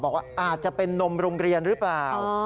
บอกว่าอาจจะเป็นนมโรงเรียนหรือเปล่า